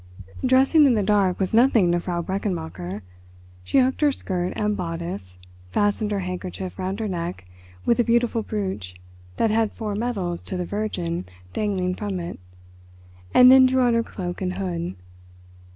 Dressing in the dark was nothing to Frau Brechenmacher. She hooked her skirt and bodice, fastened her handkerchief round her neck with a beautiful brooch that had four medals to the Virgin dangling from it, and then drew on her cloak and hood.